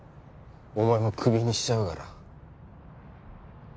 お前もクビにしちゃうから